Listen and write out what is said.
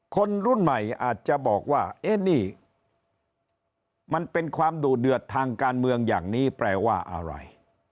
คนรุ่นใหม่อาจจะบอกว่าเอ๊ะนี่มันเป็นความดูเดือดทางการเมืองอย่างนี้แปลว่าอะไร